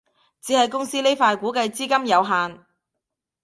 只係公司呢塊估計資金有限